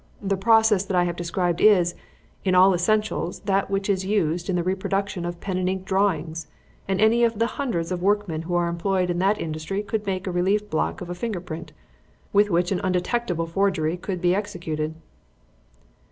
The process that I have described is, in all essentials, that which is used in the reproduction of pen and ink drawings, and any of the hundreds of workmen who are employed in that industry could make a relief block of a finger print, with which an undetectable forgery could be executed."